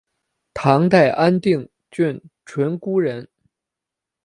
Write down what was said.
唐代安定郡鹑觚人。